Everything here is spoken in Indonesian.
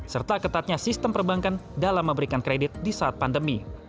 serta ketatnya sistem perbankan dalam memberikan kredit di saat pandemi